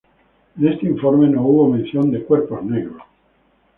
En este informe no hubo mención de cuerpos negros.